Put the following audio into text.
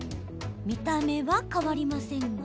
見た目は変わりませんが。